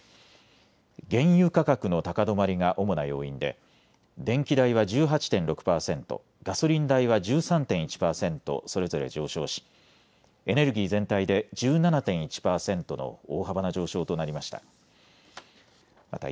原油価格の高止まりが主な要因で電気代は１８．６％、ガソリン代は１３．１％それぞれ上昇しエネルギー全体で１７．１％の大幅な上昇となりました。